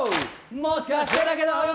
もしかしてだけど。